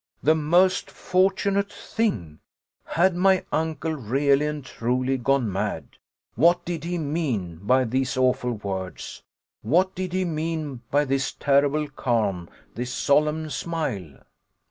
The most fortunate thing! Had my uncle really and truly gone mad? What did he mean by these awful words what did he mean by this terrible calm, this solemn smile?